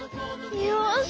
よし。